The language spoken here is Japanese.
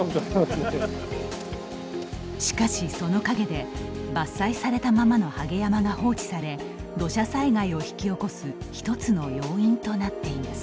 しかし、その陰で伐採されたままのはげ山が放置され土砂災害を引き起こす一つの要因となっています。